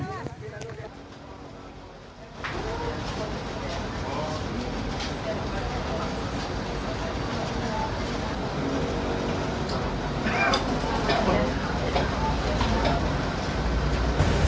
tim dvi polda sumatera barat berhasil mengidentifikasi